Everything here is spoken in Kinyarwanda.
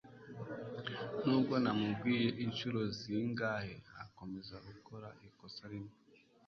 nubwo namubwira inshuro zingahe, akomeza gukora ikosa rimwe